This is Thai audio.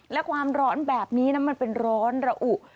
และความร้อนแบบนี้มันเป็นร้อนระอุ